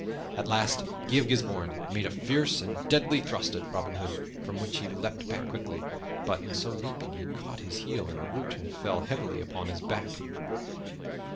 At last Guy of Gisbourne made a fierce and deadly thrust at Robin Hood, from which he leaped back lightly, but in so leaping he caught his heel in a root and fell heavily upon his back.